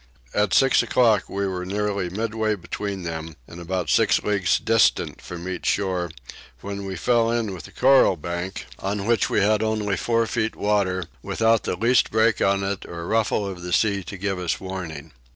At six o'clock we were nearly midway between them and about 6 leagues distant from each shore when we fell in with a coral bank, on which we had only four feet water, without the least break on it or ruffle of the sea to give us warning.